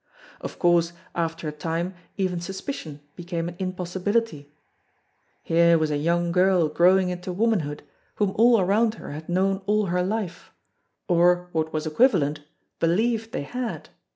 Of course after a time even suspicion became an impossibility. Here was a young girl growing into womanhood whom all around her had known all her life or what was equivalent believed they had.